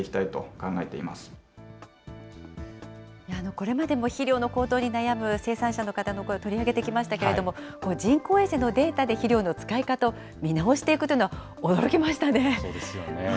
これまでも肥料の高騰に悩む生産者の方の声を取り上げてきましたけれども、人工衛星のデータで肥料の使い方を見直していくとそうですよね。